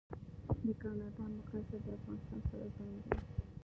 د کانادا مقایسه د افغانستان سره ظلم دی